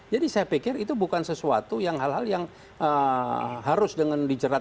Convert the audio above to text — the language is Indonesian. jadi saya pikir itu bukan sesuatu yang hal hal yang harus dijerat